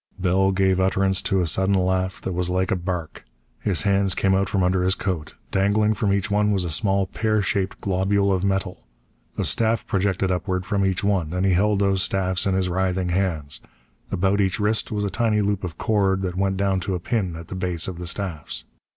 Bell gave utterance to a sudden laugh that was like a bark. His hands came out from under his coat. Dangling from each one was a small, pear shaped globule of metal. A staff projected upward from each one, and he held those staffs in his writhing hands. About each wrist was a tiny loop of cord that went down to a pin at the base of the staffs.